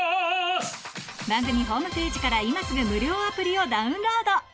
番組ホームページから今すぐ無料アプリをダウンロード！